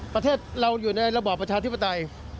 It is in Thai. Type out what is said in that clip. ประเทศเราอยู่ในระบอบประชาธิปไตย